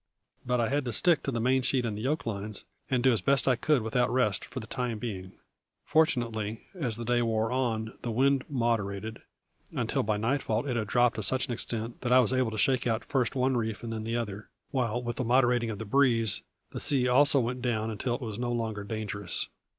But I had to stick to the mainsheet and the yoke lines, and do as best I could without rest, for the time being. Fortunately, as the day wore on, the wind moderated, until by nightfall it had dropped to such an extent that I was able to shake out first one reef and then the other, while with the moderating of the breeze the sea also went down until it was no longer dangerous.